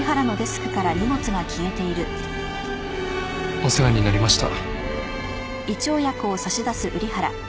お世話になりました。